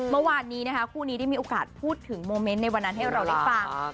เมื่อวานนี้นะคะคู่นี้ได้มีโอกาสพูดถึงโมเมนต์ในวันนั้นให้เราได้ฟัง